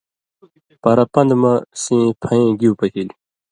پرہ پن٘دہۡ مژ سیں پھئیں گِیُو پشِلیۡ۔